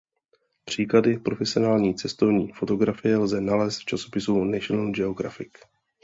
Příklady profesionální cestovní fotografie lze nalézt v časopise National Geographic.